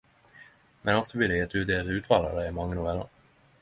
Men ofte blir det gitt ut eit utval av dei mange novellene.